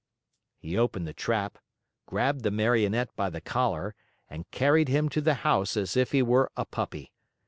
He opened the trap, grabbed the Marionette by the collar, and carried him to the house as if he were a puppy.